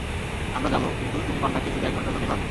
আমরা যাব, কিন্তু তুমি পান্ডাকে শুধু এক ঘন্টার জন্যেই পাবে।